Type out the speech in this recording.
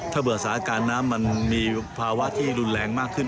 ถ้าเผื่อสถานการณ์น้ำมันมีภาวะที่รุนแรงมากขึ้น